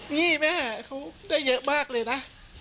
นี่แม่เขาได้เยอะมากเลยนะ